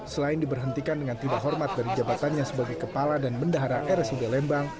selain diberhentikan dengan tidak hormat dari jabatannya sebagai kepala dan bendahara rsud lembang